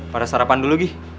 pada sarapan dulu gi